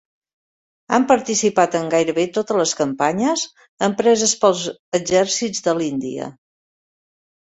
Han participat en gairebé totes les campanyes empreses pels exèrcits de l'Índia.